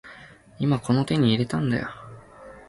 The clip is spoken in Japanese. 今この手に入れたんだよ